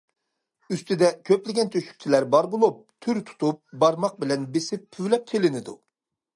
ئۈستىدە كۆپلىگەن تۆشۈكچىلەر بار بولۇپ، تۈر تۇتۇپ، بارماق بىلەن بېسىپ، پۈۋلەپ چېلىنىدۇ.